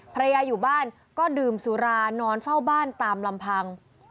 อยู่บ้านก็ดื่มสุรานอนเฝ้าบ้านตามลำพัง